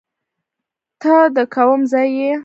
ته ده کوم ځای یې